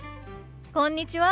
こんにちは。